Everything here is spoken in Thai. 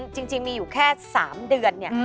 จริงมีอยู่แค่๓เดือนเนี่ย